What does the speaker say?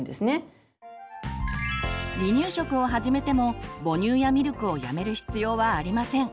離乳食を始めても母乳やミルクをやめる必要はありません。